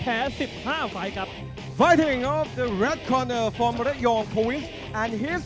๓คู่ที่ผ่านมานั้นการันตีถึงความสนุกดูดเดือดที่แฟนมวยนั้นสัมผัสได้ครับ